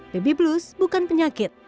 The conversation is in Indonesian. baby blows bukan penyakit